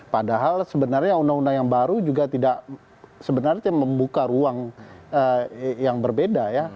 padahal sebenarnya undang undang yang baru juga tidak sebenarnya membuka ruang yang berbeda ya